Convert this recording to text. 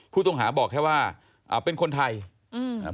ผู้ต้องหาบอกแค่ว่าอ่าเป็นคนไทยอืมอ่า